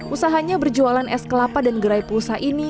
usahanya berjualan es kelapa dan gerai pulsa ini